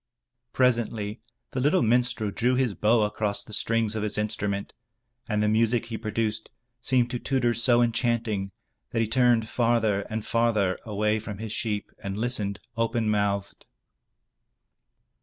Presently the little minstrel drew his bow across the strings of his instrument, and the music he produced seemed to Tudur so enchanting, that he turned farther and farther away from his sheep and listened, open mouthed.